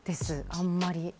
あんまり。